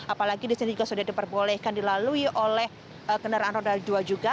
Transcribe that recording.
apalagi di sini juga sudah diperbolehkan dilalui oleh kendaraan roda dua juga